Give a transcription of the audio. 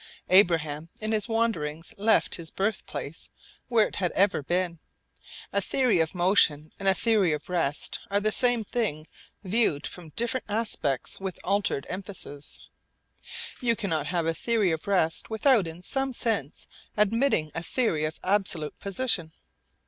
Abraham in his wanderings left his birthplace where it had ever been. A theory of motion and a theory of rest are the same thing viewed from different aspects with altered emphasis. Now you cannot have a theory of rest without in some sense admitting a theory of absolute position.